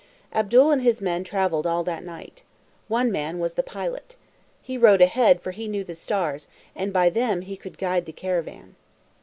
Abdul and his men traveled all that night. One man was the pilot. He rode ahead, for he knew the stars, and by them he could guide the caravan.